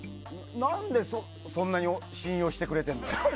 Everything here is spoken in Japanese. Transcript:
何でそんなに信用してくれてるの？